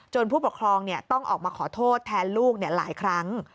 ผู้ปกครองต้องออกมาขอโทษแทนลูกหลายครั้ง